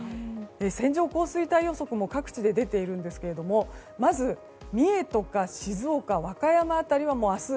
線状降水帯予測も各地で出ていますがまず三重とか静岡、和歌山辺りは明日